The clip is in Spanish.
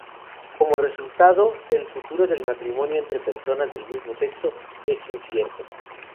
Como resultado, el futuro del matrimonio entre personas del mismo sexo es incierto.